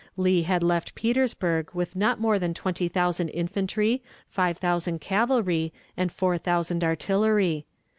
Lee had left Petersburg with not more than twenty thousand infantry, five thousand cavalry, and four thousand artillery.